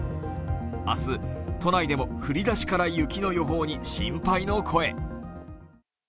明日、都内でも降り出しから雪の予報に心配の声。